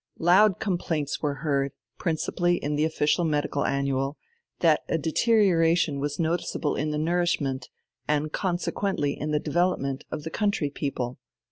Loud complaints were heard, principally in the official medical annual, that a deterioration was noticeable in the nourishment, and consequently in the development, of the country people.